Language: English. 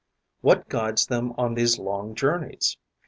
What guides them on these long journeys?